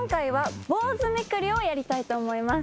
やりたいと思います。